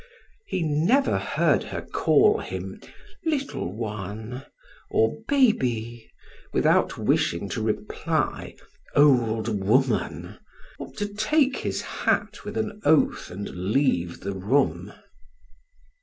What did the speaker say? He never heard her call him "Little one" or "Baby," without wishing to reply "Old woman," to take his hat with an oath and leave the room.